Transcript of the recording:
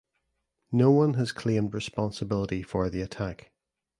No one has claimed responsibility for the attack.